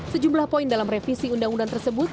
sejumlah poin dalam revisi undang undang tersebut